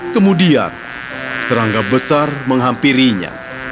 kemudian serangga besar menghampirinya